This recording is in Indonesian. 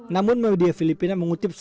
namun media filipina mengutip salah satu tanda